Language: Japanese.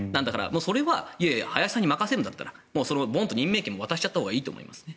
それは、いやいや林さんに任せるんだったら任命権も渡しちゃったほうがいいと思いますね。